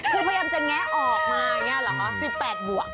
คุณพยายามจะแย้ออกปิดแปดบวก